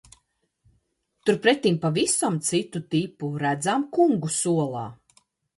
Turpretim pavisam citu tipu redzam kungu solā.